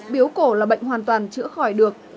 biếu cổ là bệnh hoàn toàn chữa khỏi được